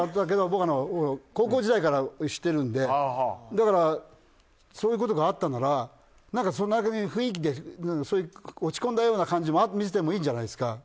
高校時代から知ってるのでだから、そういうことがあったから、そんな雰囲気で落ち込んだような感じも見せてもいいじゃないですか。